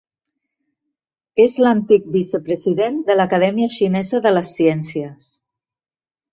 És l'antic vicepresident de l'Acadèmia Xinesa de les Ciències.